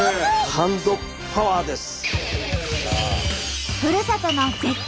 ハンドパワーです！